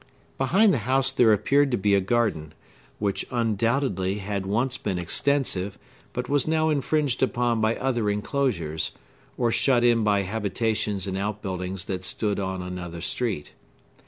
Behind the house there appeared to be a garden, which undoubtedly had once been extensive, but was now infringed upon by other enclosures, or shut in by habitations and outbuildings that stood on another street.